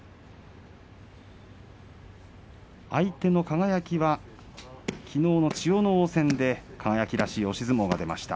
相手の輝はきのうの千代ノ皇戦で輝らしい押し相撲が出ました。